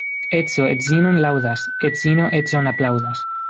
Edzo edzinon laŭdas, edzino edzon aplaŭdas.